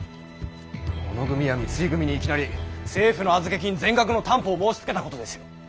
小野組や三井組にいきなり政府の預け金全額の担保を申しつけたことですよ。